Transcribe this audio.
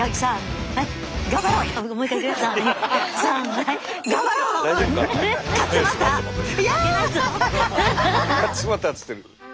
はい「勝俣」っつってる。